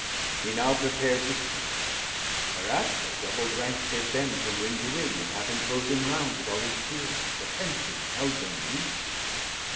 He now prepar'd To speak; whereat their doubl'd Ranks they bend From Wing to Wing, and half enclose him round With all his Peers: attention held them mute.